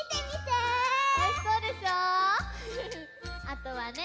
あとはね